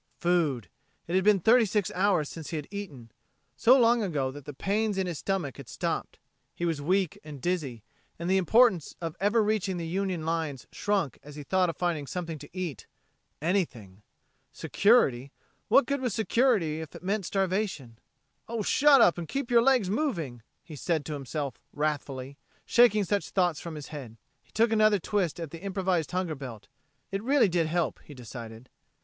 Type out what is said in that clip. Food.... It had been thirty six hours since he had eaten so long ago that the pains in his stomach had stopped. He was weak and dizzy, and the importance of ever reaching the Union lines shrunk as he thought of finding something to eat anything. Security? What good was security if it meant starvation? "Oh, shut up, and keep your legs moving," he said to himself wrathfully, shaking such thoughts from his head. He took another twist at the improvised hunger belt. It really did help, he decided.